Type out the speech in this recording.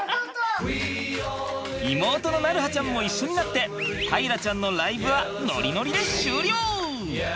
妹の鳴映ちゃんも一緒になって大樂ちゃんのライブはノリノリで終了！